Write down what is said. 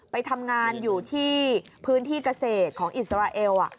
ไปทำงานอยู่ที่พื้นที่เกษตรของอิสราเอล